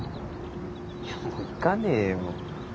いやもう行かねえよ。